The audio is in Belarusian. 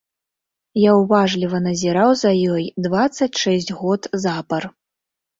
Я ўважліва назіраў за ёй дваццаць шэсць год запар.